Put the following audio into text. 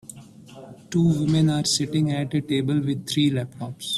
Two women are sitting at a table with three laptops.